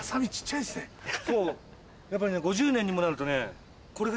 そうやっぱり５０年にもなるとね。